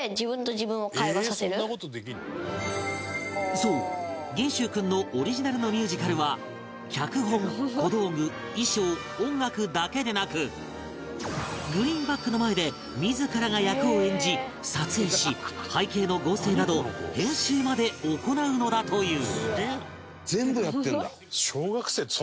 そう元秀君のオリジナルのミュージカルはグリーンバックの前で自らが役を演じ撮影し背景の合成など編集まで行うのだという